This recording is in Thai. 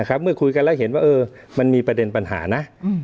นะครับเมื่อคุยกันแล้วเห็นว่าเออมันมีประเด็นปัญหานะอืม